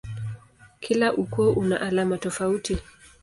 Kila ukoo una alama tofauti.